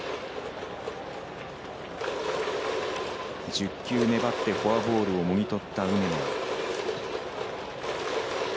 １０球粘ってフォアボールをもぎ取った梅野。